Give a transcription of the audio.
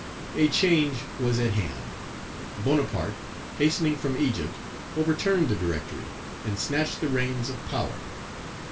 A change was at hand. Bonaparte, hastening from Egypt, overturned the Directory, and snatched the reins of power.